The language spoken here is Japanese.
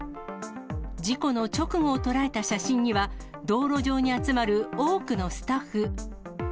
事故の直後を捉えた写真には、道路上に集まる多くのスタッフ。